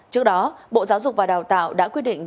trước đó bộ giáo dục và đào tạo đã quyết định